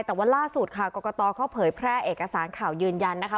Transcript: แต่ว่าล่าสุดค่ะกรกตเขาเผยแพร่เอกสารข่าวยืนยันนะคะ